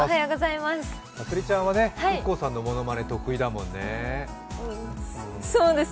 まつりちゃんはＩＫＫＯさんのものまね得意だもんね？